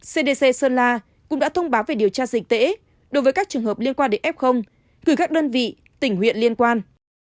cdc sơn la cũng đã thông báo về điều tra dịch tễ đối với các trường hợp liên quan đến f gửi các đơn vị tỉnh huyện liên quan